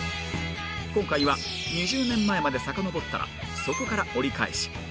今回は２０年前までさかのぼったらそこから折り返し